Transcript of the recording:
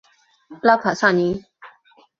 拉卡萨尼。